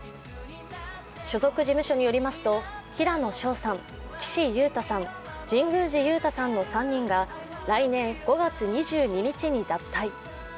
所属事務所によりますと、平野紫耀さん、岸優太さん、神宮寺勇太さんの３人が来年５月２２日に脱退。